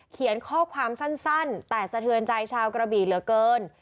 เขียนข้อความสั้นแต่สะเทือนใจชาวกระบี่เหลือเกิน